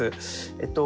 えっと